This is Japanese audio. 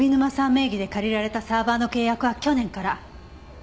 名義で借りられたサーバーの契約は去年から。